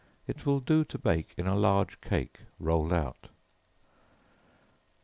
It will do to bake in a large cake rolled out.